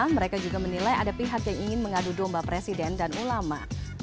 mereka juga menilai ada pihak yang ingin mengadu domba presiden dan ulama